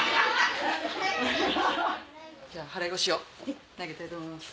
じゃあ払腰を投げたいと思います。